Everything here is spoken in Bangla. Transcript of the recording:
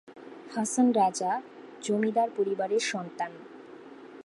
হাছন রাজা জমিদার পরিবারের সন্তান।